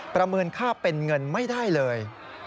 ประเมินค่าเป็นเงินไม่ได้เลย